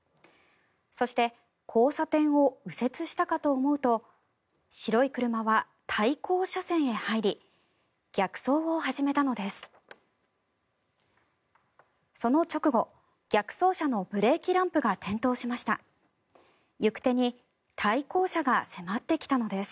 そして交差点を右折したかと思うと白い車は対向車線へ入り逆走を始めたのです。